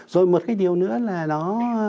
rồi một cái điều nữa là nó